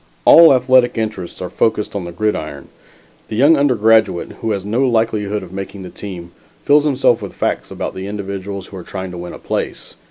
All athletic interests are focused on the gridiron. The young undergraduate who has no likelihood of making the team, fills himself with facts about the individuals who are trying to win a place.